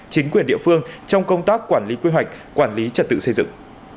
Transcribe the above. chính quyền địa phương trong công tác quản lý quy hoạch quản lý trật tự xây dựng